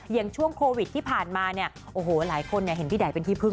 อย่างช่วงโควิดที่ผ่านมาหลายคนเห็นพี่ดายเป็นที่พึ่ง